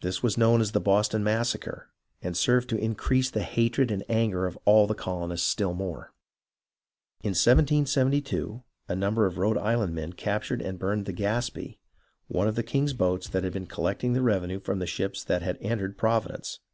This was known as the Boston Massacre, and served to increase the hatred and anger of all the colonists still more. In 1772, a number of Rhode Island men captured and burned the Gaspee, one of the king's boats that had been collecting the revenue from the ships that had entered Providence.